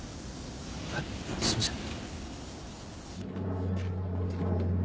はいすいません。